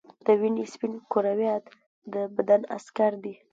د وینې سپین کرویات د بدن عسکر دي